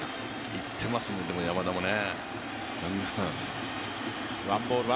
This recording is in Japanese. いってますね、山田もね。